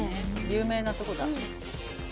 有名なとこだ。